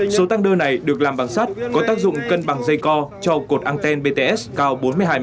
số tăng đơn này được làm bằng sắt có tác dụng cân bằng dây co cho cột anten bts cao bốn mươi hai m